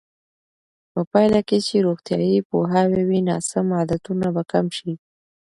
په پایله کې چې روغتیایي پوهاوی وي، ناسم عادتونه به کم شي.